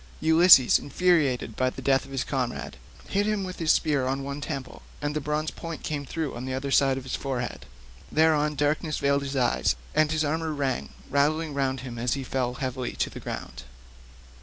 Ulysses, infuriated by the death of his comrade, hit him with his spear on one temple, and the bronze point came through on the other side of his forehead. Thereon darkness veiled his eyes, and his armour rang rattling round him as he fell heavily to the ground.